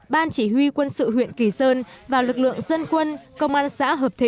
ban chỉ huy quân sự huyện kỳ sơn và lực lượng dân quân công an xã hợp thịnh